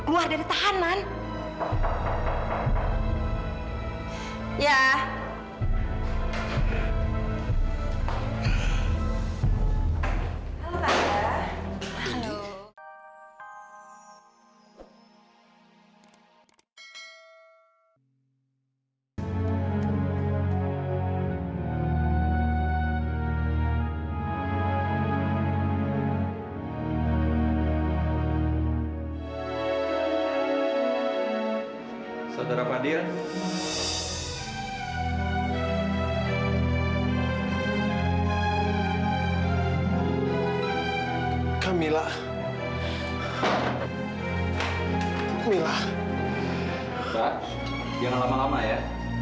pak jangan lama lama ya